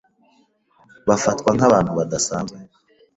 bafatwa nk’abantu badasanzwe